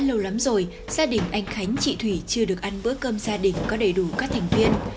lâu lắm rồi gia đình anh khánh chị thủy chưa được ăn bữa cơm gia đình có đầy đủ các thành viên